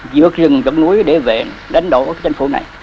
dượt rừng dẫn núi để về đánh đổ chính phủ này